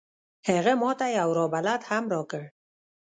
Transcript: هغه ما ته یو راه بلد هم راکړ.